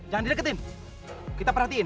jangan dideketin kita perhatiin